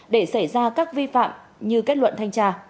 để xảy ra các vi phạm như kết luận thanh tra